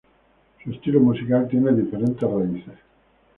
Su estilo musical tiene diferentes raíces.